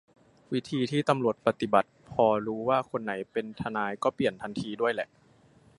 วิธีที่ตำรวจปฏิบัติพอรู้ว่าคนไหนเป็นทนายก็เปลี่ยนทันทีด้วยแหละ